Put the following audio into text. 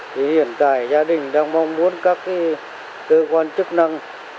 thì hiện tại gia đình đang mong muốn các cơ quan chức năng